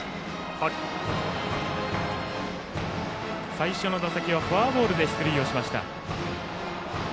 最初の打席はフォアボールで出塁。